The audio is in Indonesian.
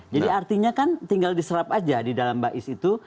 jadi artinya kan tinggal diserap aja di dalam baiz itu